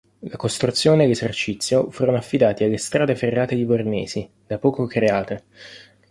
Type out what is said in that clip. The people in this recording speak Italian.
La costruzione e l'esercizio furono affidati alle Strade Ferrate Livornesi, da poco create.